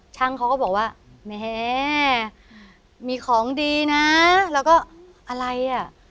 ช่างเขาก็บอกว่าแม่มีของดีนะแล้วก็อะไรอ่ะ